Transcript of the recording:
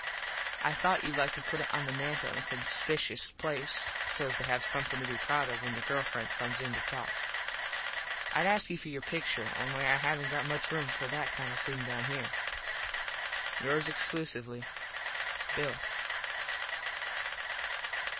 I thought youd like to put it on the mantle in a conspikuous place sos to have somethin to be proud of when your girl friend comes in to talk. Id ask you for your pictur only I havnt got much room for that kind of thing down here. yours exclusively _Bill.